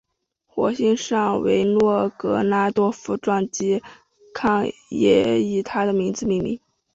火星上的维诺格拉多夫撞击坑也以他的名字命名。